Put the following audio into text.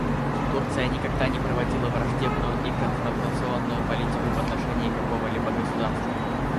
Турция никогда не проводила враждебную и конфронтационную политику в отношении какого-либо государства.